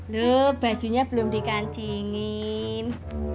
lo bajunya belum dikancingin